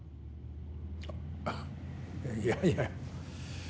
あっいやいや。